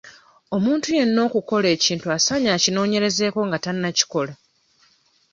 Omuntu yenna okukola ekintu asaanye akinoonyerezeeko nga tannakikola.